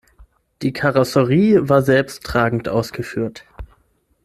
Die Karosserie war selbsttragend ausgeführt.